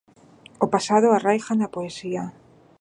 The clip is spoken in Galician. O pasado arraiga na poesía.